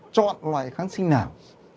chọn loại kháng sinh nào